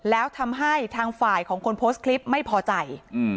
แล้วทำให้ทางฝ่ายของคนโพสต์คลิปไม่พอใจ